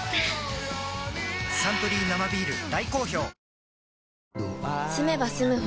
「サントリー生ビール」大好評